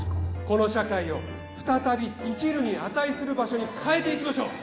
この社会を再び生きるに値する場所に変えていきましょう！